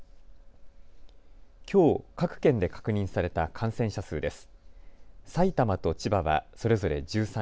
きょう各県で確認された感染者数です。